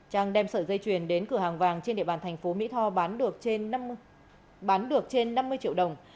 trang đem sợi dây chuyền đến cửa hàng vàng trên địa bàn thành phố mỹ tho bán được trên năm mươi triệu đồng